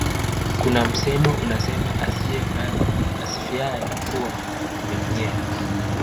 kuna msemo unasema aisifiyae Mvua imemnyea